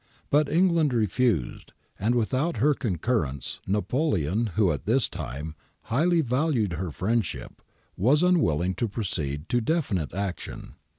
^ But England refused, and without her concurrence Napoleon, who at this time highly valued her friendship was unwilling to proceed to definite action.